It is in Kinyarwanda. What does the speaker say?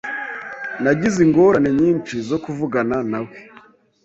Nagize ingorane nyinshi zo kuvugana nawe.